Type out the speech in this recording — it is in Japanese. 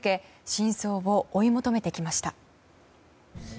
真相を追い求めてきました。